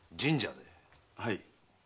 はい。